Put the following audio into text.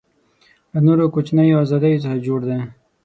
له نورو کوچنیو آزادیو څخه جوړ دی.